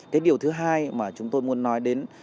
cái điều thứ hai mà chúng tôi muốn nói đến